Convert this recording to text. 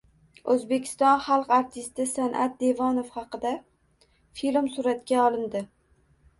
Oʻzbekiston xalq artisti Sanʼat Devonov haqida film suratga olindi